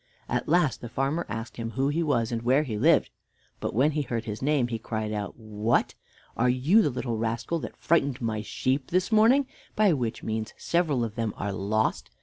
At last the farmer asked him who he was and where he lived; but when he heard his name, he cried out: "What! are you the little rascal that frightened my sheep this morning, by which means several of them are lost?